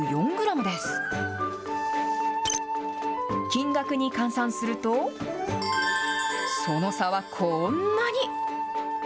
金額に換算すると、その差はこんなに。